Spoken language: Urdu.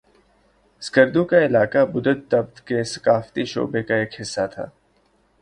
اسکردو کا علاقہ بدھت تبت کے ثقافتی شعبے کا ایک حصہ تھا